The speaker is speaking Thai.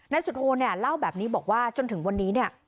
นายสุทโธ่เล่าแบบนี้บอกว่าจนถึงวันนี้ตัวเขาเอง